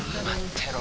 てろ